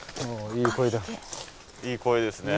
いい声ですね